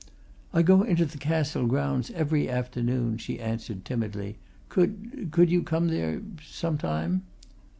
"I go into the Castle grounds every afternoon," she answered timidly. "Could could you come there some time?"